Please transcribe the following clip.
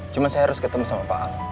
cuman saya harus ketemu sama pak al